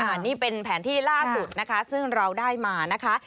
อันนี้เป็นแผนที่ล่าสุดนะคะซึ่งเราได้มานะคะ